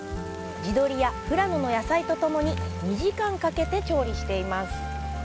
地鶏や富良野の野菜とともに２時間かけて調理しています。